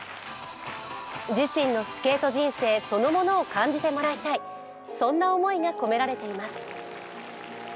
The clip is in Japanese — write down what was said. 自身のスケート人生そのものを感じてもらいたい、そんな思いが込められています。